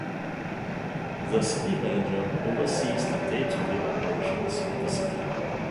The City Manager oversees the day-to-day operations of the City.